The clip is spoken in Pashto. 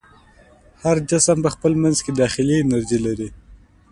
هر جسم په خپل منځ کې داخلي انرژي لري.